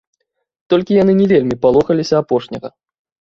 Толькі яны не вельмі палохаліся апошняга.